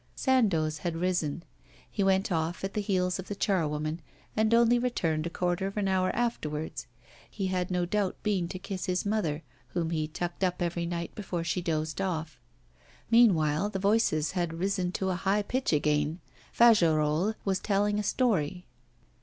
Sandoz had risen. He went off at the heels of the charwoman, and only returned a quarter of an hour afterwards. He had no doubt been to kiss his mother, whom he tucked up every night before she dozed off. Meanwhile the voices had risen to a high pitch again. Fagerolles was telling a story.